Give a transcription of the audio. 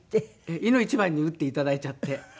いの一番に打っていただいちゃって。